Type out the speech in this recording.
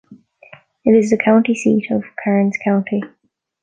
It is the county seat of Karnes County.